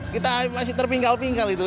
kita masih terpinggal pinggal itu